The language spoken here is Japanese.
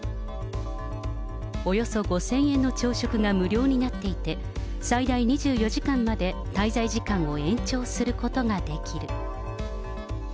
およそ５０００円の朝食が無料になっていて、最大２４時間まで滞在時間を延長することができる。